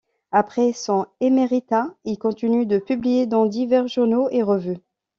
Après son éméritat, il continue de publier dans divers journaux et revues.